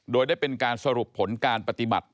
โดยได้เป็นการสรุปผลการปฏิบัติ